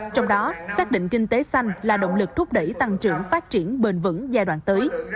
trong đó xác định kinh tế xanh là động lực thúc đẩy tăng trưởng phát triển bền vững giai đoạn tới